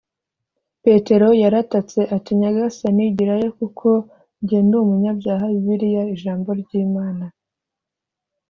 petero yaratatse ati, “nyagasani, igirayo kuko jye ndi umunyabyaha [bibiliya ijambo ry’imana],